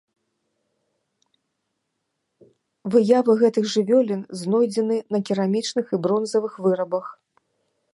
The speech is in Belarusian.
Выявы гэтых жывёлін знойдзены на керамічных і бронзавых вырабах.